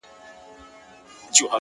ستا د تن سايه مي په وجود كي ده،